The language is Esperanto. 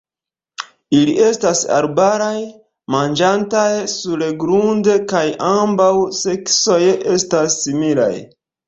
Ili estas arbaraj, manĝantaj surgrunde, kaj ambaŭ seksoj estas similaj.